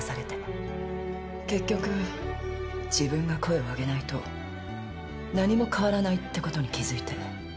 結局自分が声を上げないと何も変わらないってことに気づいて。